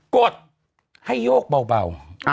กดให้โยกเบา